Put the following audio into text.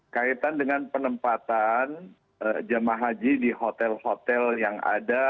kaitan dengan penempatan jemaah haji di hotel hotel yang ada